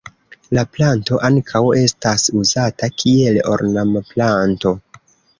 La planto ankaŭ estas uzata kiel ornamplanto.